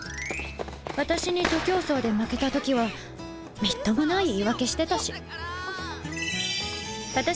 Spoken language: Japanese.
私に徒競走で負けた時はみっともない言い訳してたし今朝足をくじいたから！